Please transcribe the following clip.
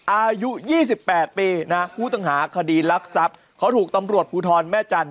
อายุ๒๘ปีนะผู้ต้องหาคดีรักทรัพย์เขาถูกตำรวจภูทรแม่จันท